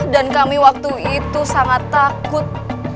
dan kami waktu itu sangat takut